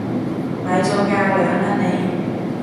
咪做架樑啦你！